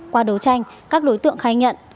qua đấu tranh các đối tượng khai nhận